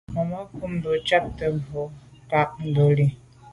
Màmá cúp mbə̌ bū jáptə́ cāŋ tɔ̌ bā ŋká ndɔ̌lī.